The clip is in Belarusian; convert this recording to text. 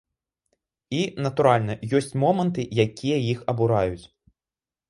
І, натуральна, ёсць моманты, якія іх абураюць.